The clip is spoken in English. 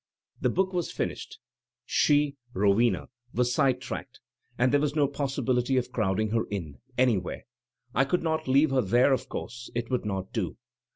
"The book was finished, she (Rowena) was side tracked, and there was no possibility of crowding her in, anywhere. I could not leave her there, of course; it would not do.